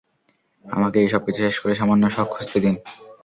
আমাকে এই সবকিছু শেষ করে সামান্য সুখ খুঁজতে দিন।